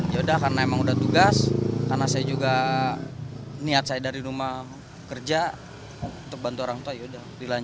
ya udah karena emang udah tugas karena saya juga niat saya dari rumah kerja untuk bantu orang tua yaudah dilanjut